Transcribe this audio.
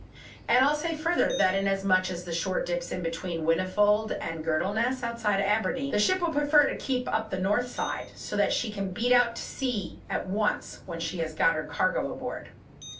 And I'll say further that, in as much as the shore dips in between Whinnyfold and Girdleness outside Aberdeen, the ship will prefer to keep up the north side, so that she can beat out to sea at once, when she has got her cargo aboard."